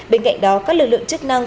bên cạnh đó các lực lượng chức năng